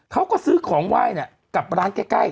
เขาก็ซื้อของไหว้กับร้านใกล้